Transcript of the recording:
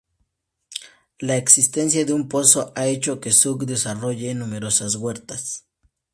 La existencia de un pozo ha hecho que Zug desarrolle numerosas huertas.